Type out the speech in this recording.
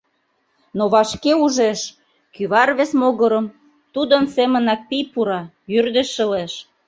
Но вашке ужеш: кӱвар вес могырым тудын семынак пий пура — йӱр деч шылеш.